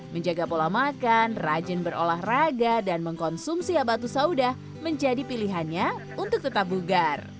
menjaga pola makan rajin berolahraga dan mengkonsumsi abatu sauda menjadi pilihannya untuk tetap bugar